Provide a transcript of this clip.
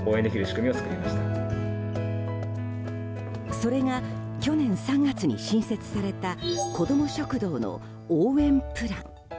それが去年３月に新設された子ども食堂の応援プラン。